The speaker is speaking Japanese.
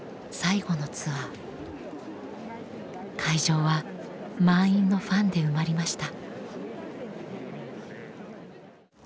会場は満員のファンで埋まりました。